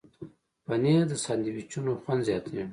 پنېر د ساندویچونو خوند زیاتوي.